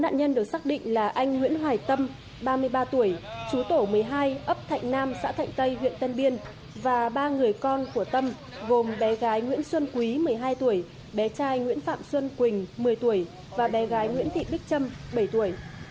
nạn nhân được xác định là anh nguyễn hoài tâm ba mươi ba tuổi chú tổ một mươi hai ấp thạnh nam xã thạnh tây huyện tân biên và ba người con của tâm gồm bé gái nguyễn xuân quý một mươi hai tuổi bé trai nguyễn phạm xuân quỳnh một mươi tuổi và bé gái nguyễn thị bích trâm bảy tuổi